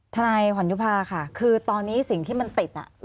นายขวัญยุภาค่ะคือตอนนี้สิ่งที่มันติด